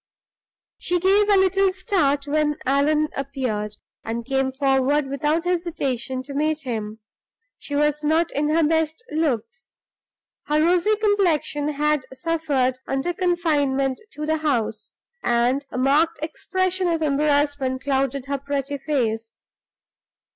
She gave a little start when Allan appeared, and came forward without hesitation to meet him. She was not in her best looks. Her rosy complexion had suffered under confinement to the house, and a marked expression of embarrassment clouded her pretty face.